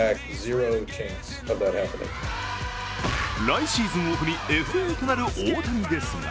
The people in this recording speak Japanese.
来シーズンオフにＦＡとなる大谷ですが